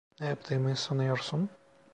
Ne yaptığımı sanıyorsun?